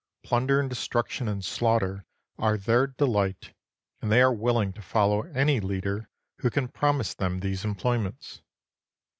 Plunder and destruction and slaughter are their delight, and they are willing to follow any leader who can promise them these employments.